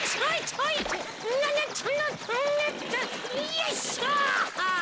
よいしょ。